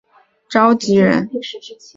张国龙及核四公投促进会召集人。